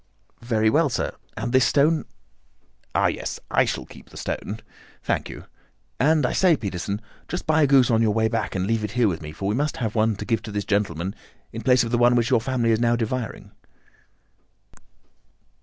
"Very well, sir. And this stone?" "Ah, yes, I shall keep the stone. Thank you. And, I say, Peterson, just buy a goose on your way back and leave it here with me, for we must have one to give to this gentleman in place of the one which your family is now devouring."